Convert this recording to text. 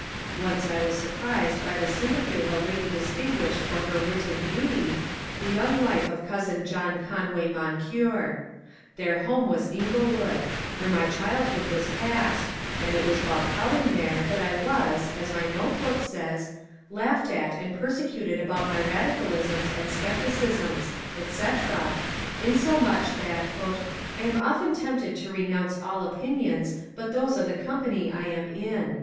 Once I was surprised by the sympathy of a lady distinguished for her wit and beauty, the young wife of cousin John Conway Moncure. Their home 128 MONCURE DANIEL CX3NWAY was ^^ Inglewood," where my childhood was passed, and it was while oaUing there that I was, as my note book says/^ laughed at and persecuted about my radicalisms and scepticisms," etc, insomuch that ^^ I am often tempted to renounce all opinions but those of the company I am in."